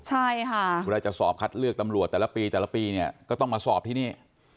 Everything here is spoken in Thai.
ใช่ค่ะเวลาจะสอบคัดเลือกตำรวจแต่ละปีแต่ละปีเนี่ยก็ต้องมาสอบที่นี่